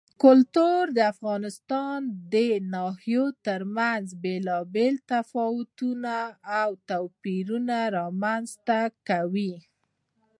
کلتور د افغانستان د ناحیو ترمنځ بېلابېل تفاوتونه او توپیرونه رامنځ ته کوي.